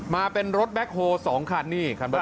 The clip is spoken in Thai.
มาเป็นรถแบ็คโฮ๒คันนี่